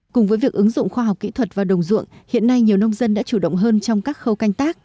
cùng với việc ứng dụng khoa học kỹ thuật vào đồng ruộng hiện nay nhiều nông dân đã chủ động hơn trong các khâu canh tác